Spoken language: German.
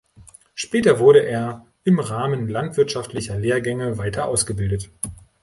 Später wurde er im Rahmen landwirtschaftlicher Lehrgänge weiter ausgebildet.